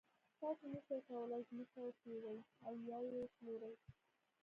تاسو نشئ کولای ځمکه وپېرئ او یا یې وپلورئ.